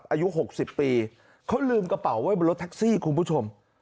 อายุ๖๐ปีเขาลืมกระเป๋าไว้บนรถแท็กซี่คุณผู้ชม